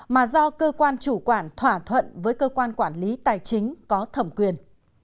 mà do cơ quan chủ quản thỏa thuận với cơ quan quản lý tài chính có thẩm quyền